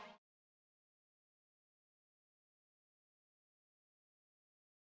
lo mau jadi pacar gue